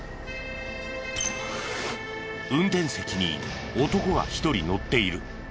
運転席に男が１人乗っている。